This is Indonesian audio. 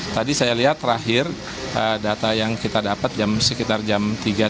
tadi saya lihat terakhir data yang kita dapat sekitar jam tiga tiga puluh